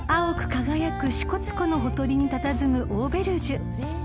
輝く支笏湖のほとりにたたずむオーベルジュ］